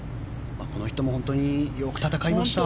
この人も本当によく戦いました。